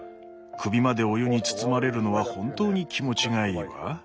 首までお湯に包まれるのは本当に気持ちがいいわ。